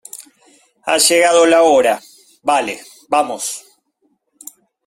ha llegado la hora . vale , vamos .